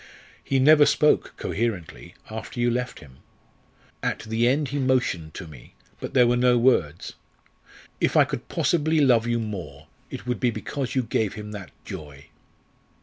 "He never spoke coherently after you left him. At the end he motioned to me, but there were no words. If I could possibly love you more, it would be because you gave him that joy."